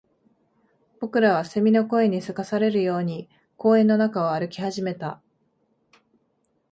僕らは蝉の声に急かされるように公園の中を歩き始めた